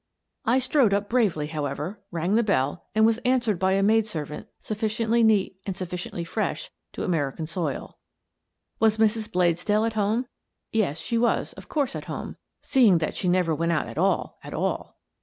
I strode up bravely, however, rang the bell, and was answered by a maid servant sufficiently neat and sufficiently fresh to American soil. Was Mrs. Bladesdell at home? Yes, she was, of course, at home, seeing that she never went out at all, at all.